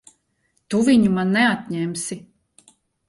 Tu viņu man neatņemsi!